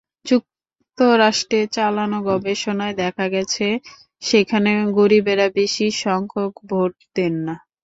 যুক্তরাষ্ট্রে চালানো গবেষণায় দেখা গেছে, সেখানে গরিবেরা বেশি সংখ্যায় ভোট দেন না।